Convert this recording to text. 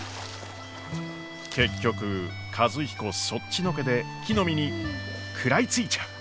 結局和彦そっちのけで木の実に食らいついちゃう。